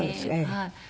はい。